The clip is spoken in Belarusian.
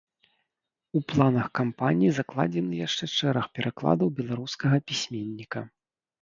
У планах кампаніі закладзены яшчэ шэраг перакладаў беларускага пісьменніка.